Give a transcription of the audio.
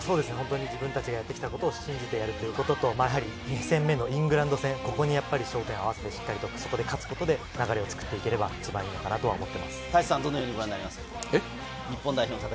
自分たちがやってきたことを信じてやっていくことと、２戦目のイングランド戦、ここに焦点を合わせて勝つことで流れを作っていければ、一番いいのかなと思います。